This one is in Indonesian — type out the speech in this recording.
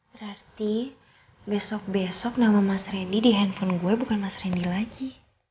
berarti besok besok nama mas rendy di handphone gue bukan mas rendy lagi